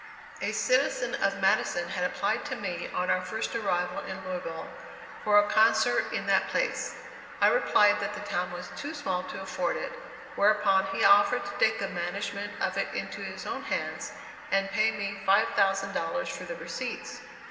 A citizen of Madison had applied to me on our first arrival in Louisville, for a concert in that place. I replied that the town was too small to afford it, whereupon he offered to take the management of it into his own hands, and pay me $5,000 for the receipts.